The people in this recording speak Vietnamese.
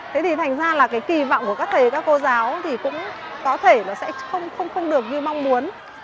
thế thì thành ra là cái kỳ vọng của các thầy các cô giáo thì cũng có thể là sẽ không được như mong muốn